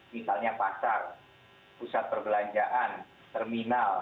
misalnya pasar pusat perbelanjaan terminal